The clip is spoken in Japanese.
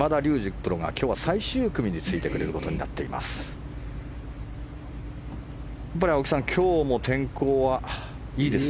プロが今日は最終組についてくれることになっています。